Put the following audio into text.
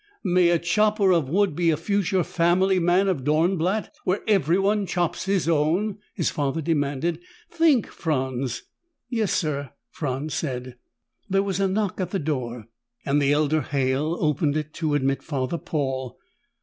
"May a chopper of wood be a future family man of Dornblatt, where everyone chops his own?" his father demanded. "Think, Franz!" "Yes, sir," Franz said. There was a knock at the door and the elder Halle opened it to admit Father Paul.